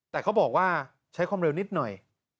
แต่เขาบอกว่าใช้ความเร็วนิดหน่อย